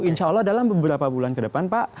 insya allah dalam beberapa bulan ke depan pak